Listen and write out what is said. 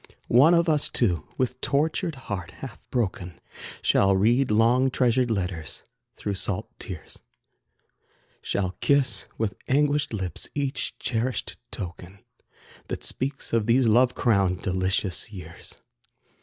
One of us two, with tortured heart half broken, Shall read long treasured letters through salt tears, Shall kiss with anguished lips each cherished token, That speaks of these loved crowned, delicious years.